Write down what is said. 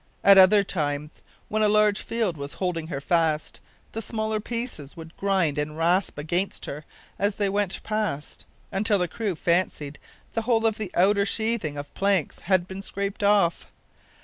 At other times, when a large field was holding her fast, the smaller pieces would grind and rasp against her as they went past, until the crew fancied the whole of the outer sheathing of planks had been scraped off.